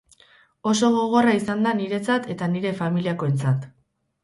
Oso gogorra izan da niretzat eta nire familakoentzat.